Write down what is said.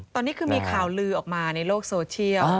ตอนนี้คือมีข่าวลือออกมาในโลกโซเชียล